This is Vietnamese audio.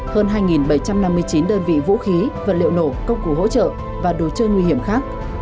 hơn hai bảy trăm năm mươi chín đơn vị vũ khí vật liệu nổ công cụ hỗ trợ và đồ chơi nguy hiểm khác